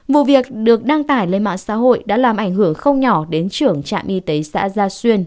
vụ việc được đăng tải lên mạng xã hội đã làm ảnh hưởng không nhỏ đến trưởng trạm y tế xã gia xuyên